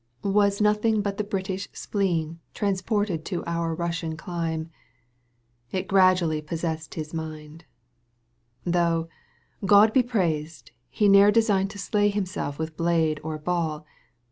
canto i. n : Was nothing but the British spleen ; Transported to опт Eussian clime, vlt graduaHy possessed his mind ; Though, God be praised ! he ne'er designed To slay himseK with blade or ball.